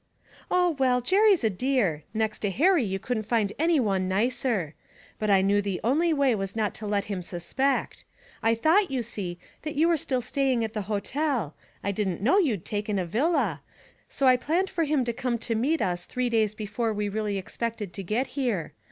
'Oh, well, Jerry's a dear; next to Harry you couldn't find any one nicer. But I knew the only way was not to let him suspect. I thought, you see, that you were still staying at the hotel; I didn't know you'd taken a villa, so I planned for him to come to meet us three days before we really expected to get here.